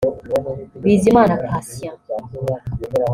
Bizimana Patient